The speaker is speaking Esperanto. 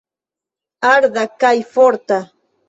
Arda kaj forta.